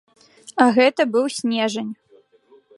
А гэта быў снежань.